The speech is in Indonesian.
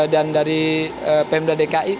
dan dari pmd dki